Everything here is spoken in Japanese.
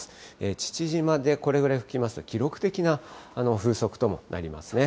父島でこれぐらい吹きますと、記録的な風速ともなりますね。